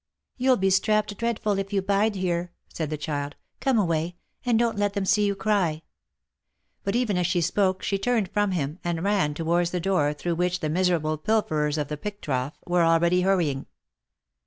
" You'll be strapped dreadful if you bide here," said the child. " Come away — and don't let them see you cry!" But even as she spoke she turned from him, and ran towards the door through which the miserable pilferers of the pig trough were already hurrying.